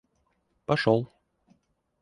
пошел